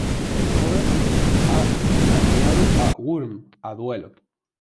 El joven ha desafiado a Wurm a duelo.